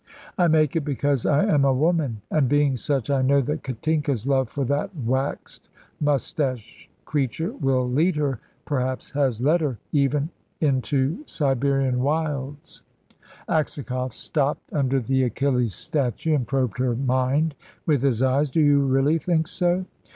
"I make it because I am a woman, and being such, I know that Katinka's love for that waxed moustache creature will lead her perhaps has led her even into Siberian wilds." Aksakoff stopped under the Achilles Statue and probed her mind with his eyes. "Do you really think so?"